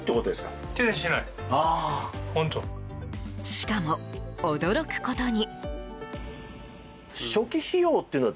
しかも、驚くことに。